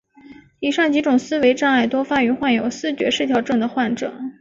以上几种思维障碍多发于患有思觉失调症的患者。